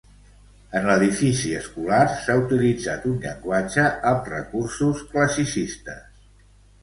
En l'edifici escolar s'ha utilitzat un llenguatge amb recursos classicistes.